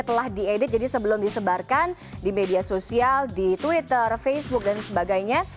telah diedit jadi sebelum disebarkan di media sosial di twitter facebook dan sebagainya